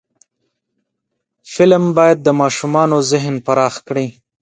فلم باید د ماشومانو ذهن پراخ کړي